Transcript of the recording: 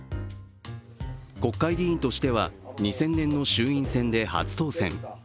国会議員としては２０００年の衆院選で初当選。